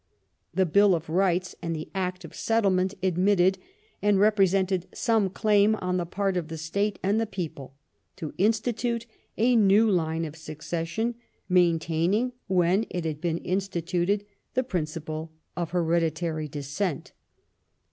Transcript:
The Bill of Rights and the Act of Settlement admitted and represented some claim on the part of the state and the people to institute a new line of succession, maintaining, when it had been instituted, the principle of hereditary descent.